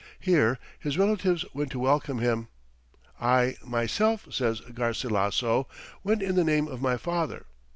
Here his relatives went to welcome him. "I, myself," says Garcilasso, "went in the name of my Father.